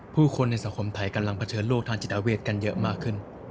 ผู้คนในสังคมไทยกำลังเผชิญโลกทางจิตอาเวทกันเยอะมากขึ้น